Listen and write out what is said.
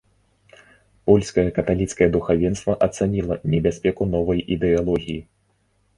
Польскае каталіцкае духавенства ацаніла небяспеку новай ідэалогіі.